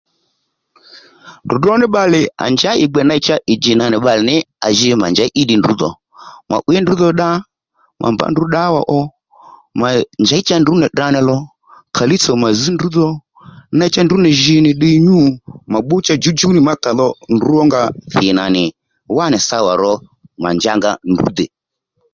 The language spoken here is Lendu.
Dròdró ní bbalè à njǎ ì gbè ney cha ì djì nì bbalè ní à ji mà njěy í ddiy ndrǔ dhò ma 'wǐy ndrǔ dho dda mà mbǎ ndrǔ ddǎwà ò mà njěy cha ndrǔ nì tdrǎ nì lò kàlíy tsò mà zž ndrǔ dho ney cha ndrǔ nì jǐ nì ddiy nyû ma bbú cha djǔwdjǔw ní nì má cha à dho ndrǔ rónga thì nà nì wánì sawà ró mà njanga ndrǔ dè